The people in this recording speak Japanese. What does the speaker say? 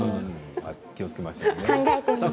気をつけましょう。